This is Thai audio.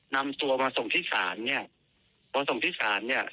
นำตัวมาส่งที่ศาลเนี่ยพอส่งที่ศาลเนี่ย